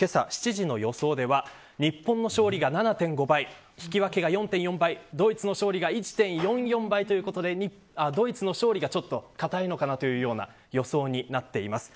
７時の予想では日本の勝利が７．５倍引き分けが４．４倍ドイツの勝利が１．４４倍ということでドイツの勝利がちょっと堅いのかなというような予想になっています。